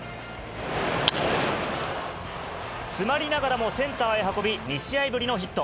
詰まりながらも、センターへ運び、２試合ぶりのヒット。